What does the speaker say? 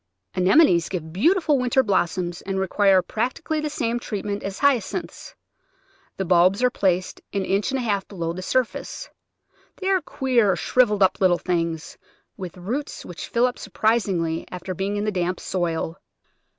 Anemones give beautiful winter blossoms and re quire practically the same treatment as Hyacinths. The bulbs are placed an inch and a half below the surface. They are queer, shrivelled up little things, with roots which fill up surprisingly after being in the damp soil.